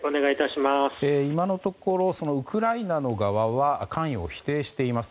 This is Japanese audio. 今のところ、ウクライナの側は関与を否定しています。